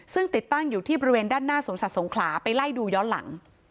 ซึ่งติดตั้งอยู่ที่บริเวณด้านหน้าสวนสัตว์สงขลาไปไล่ดูย้อนหลัง